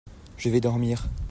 Je vais dormir.